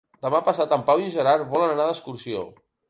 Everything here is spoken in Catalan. Demà passat en Pau i en Gerard volen anar d'excursió.